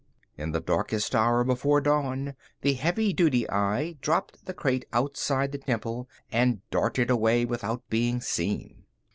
In the darkest hour before dawn, the heavy duty eye dropped the crate outside the temple and darted away without being seen.